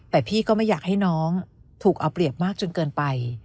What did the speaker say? แต่พี่ก็ไม่อยากให้น้องถูกเอาเปรียบมากจนเกินไป